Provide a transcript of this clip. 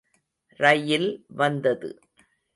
ரயில் வந்தது.